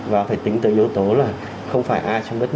và phải tính tới yếu tố là không phải ai